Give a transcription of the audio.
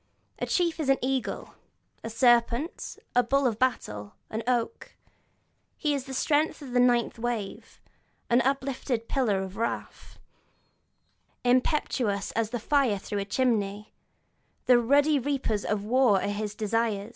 A chief is an eagle, a serpent, the bull of battle, an oak; he is the strength of the ninth wave, an uplifted pillar of wrath, impetuous as the fire through a chimney; the ruddy reapers of war are his desire.